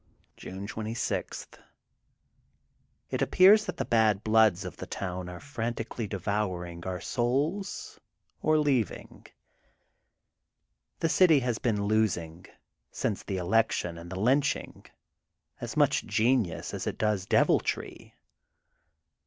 June 26: — ^It appears that the bad bloods of the town are frantically devouring their own souls, or leaving. The city has been losing, since the election and the lynching, as much genius as it does deviltry.